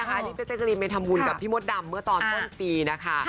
ใช่ที่เต๋กรีมทำวุณกับพี่มดดำเมื่อตอนต้นตีค่ะ